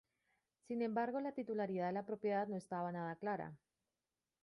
Sin embargo, la titularidad de la propiedad no estaba nada clara.